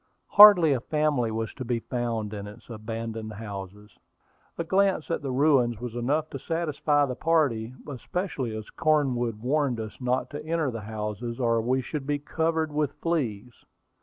Hardly a family was to be found in its abandoned houses. A glance at the ruins was enough to satisfy the party, especially as Cornwood warned us not to enter the houses, or we should be covered with fleas.